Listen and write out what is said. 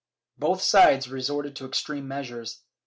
* Both sides resorted to extreme measures.